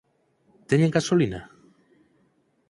Teñen gasolina?